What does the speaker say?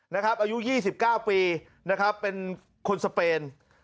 อายุ๒๙ปีนะครับเป็นคนสเปน